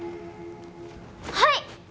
はい！